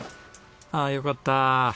ああよかった。